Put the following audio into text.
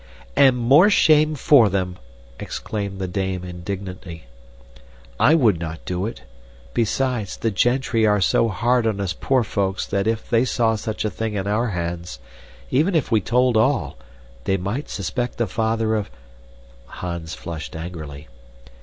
"And more shame for them!" exclaimed the dame indignantly. "I would not do it. Besides, the gentry are so hard on us poor folks that if they saw such a thing in our hands, even if we told all, they might suspect the father of " Hans flushed angrily.